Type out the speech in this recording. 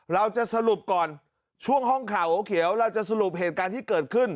เราจะสรุปก่อนช่วงห้องข่าวหัวเขียวเราจะสรุปเหตุการณ์ที่เกิดขึ้น